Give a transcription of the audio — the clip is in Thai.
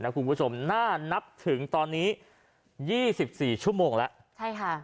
คุณผู้ชมน่านับถึงตอนนี้๒๔ชั่วโมงแล้ว